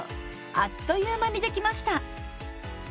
あっという間に出来ました。